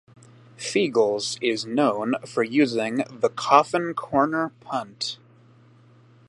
Feagles is known for using the "coffin corner" punt.